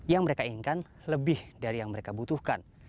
yang mereka inginkan lebih dari yang mereka butuhkan